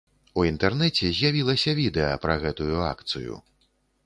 У інтэрнэце з'явілася відэа пра гэтую акцыю.